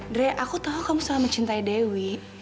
dre aku tahu kamu selalu mencintai dewi